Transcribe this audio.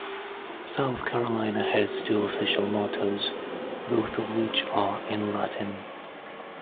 South Carolina has two official mottos, both of which are in Latin.